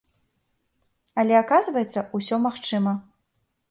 Але, аказваецца, усё магчыма.